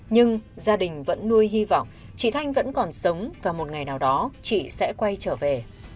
nhưng gia đình vẫn nuôi hy vọng chị thanh vẫn còn sống và một ngày nào đó chị sẽ quay trở về